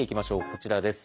こちらです。